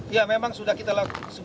ya memang sudah kita lakukan